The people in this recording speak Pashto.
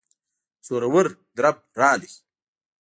زورور درب راغی.